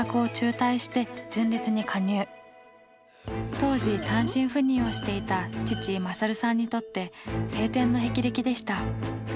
当時単身赴任をしていた父・勝さんにとって青天の霹靂でした。